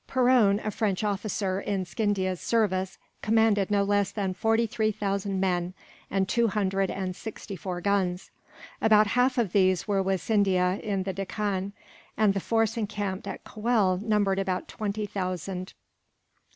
Perron, a French officer in Scindia's service, commanded no less than forty three thousand men, and four hundred and sixty four guns. About half of these were with Scindia in the Deccan, and the force encamped at Coel numbered about twenty thousand.